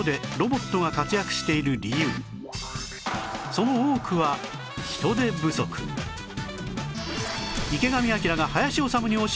その多くは池上彰が林修に教えたい！